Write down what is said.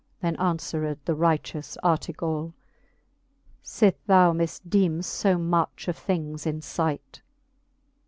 Then anfwered the righteous Artegall, Sith thou mifdeem'ft fo much of things in fight